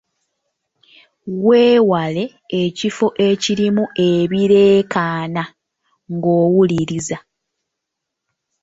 Weewale ekifo ekirimu ebireekaana ng'owuliriza.